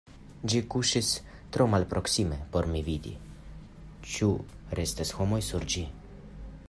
Ĝi kuŝis tro malproksime por mi vidi, ĉu restas homoj sur ĝi.